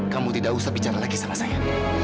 kamu tidak usah bicara lagi sama saya